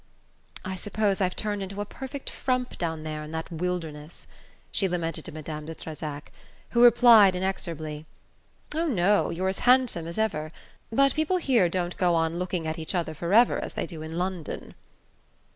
"I suppose I've turned into a perfect frump down there in that wilderness," she lamented to Madame de Trezac, who replied inexorably: "Oh, no, you're as handsome as ever; but people here don't go on looking at each other forever as they do in London."